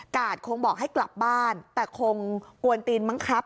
คงบอกให้กลับบ้านแต่คงกวนตีนมั้งครับ